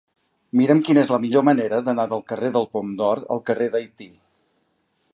Mira'm quina és la millor manera d'anar del carrer del Pom d'Or al carrer d'Haití.